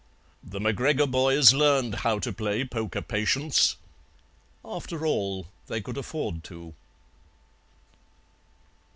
The MacGregor boys learned how to play poker patience; after all, they could afford to.